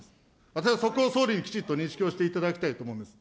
私はそこを総理にきちっと認識をしていただきたいと思います。